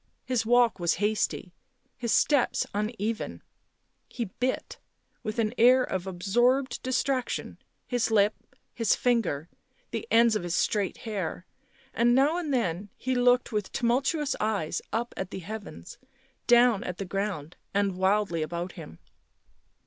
His walk was hasty, his steps uneven, he bit, with an air of absorbed distraction, his lip, his finger, the ends of his straight hair, and now and then he looked with tumultuous eyes up at the heavens, down at the ground and wildly about him.